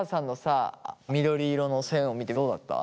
緑色の線を見てどうだった？